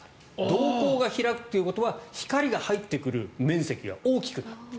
瞳孔が開くということは光が入ってくる面積が大きくなる。